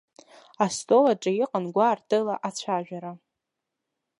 Астол аҿы иҟан гәаартыла ацәажәара.